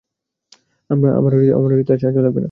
আমার তার সাহায্য লাগবে না।